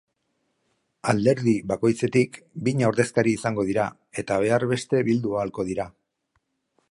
Alderdi bakoitzetik bina ordezkari izango dira eta behar beste bildu ahalko dira.